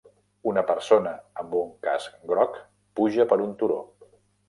Una persona amb un casc groc puja per un turó